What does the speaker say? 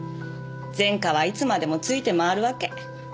前科はいつまでもついて回るわけ。